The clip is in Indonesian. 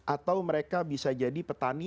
atau mereka bisa jadi petani